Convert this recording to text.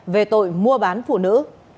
về tội mua bán phụ nữ